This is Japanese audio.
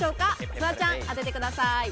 フワちゃん当ててください。